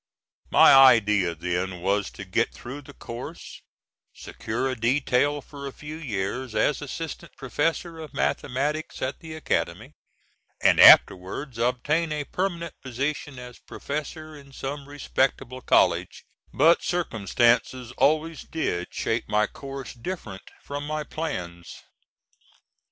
My idea then was to get through the course, secure a detail for a few years as assistant professor of mathematics at the Academy, and afterwards obtain a permanent position as professor in some respectable college; but circumstances always did shape my course different from my plans.